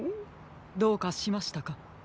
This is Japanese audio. どうかしましたか？